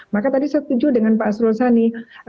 maka tadi setuju dengan pak asrul sani